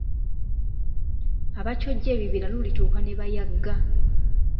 Abakyojja ebibira lulituuka ne bayagga.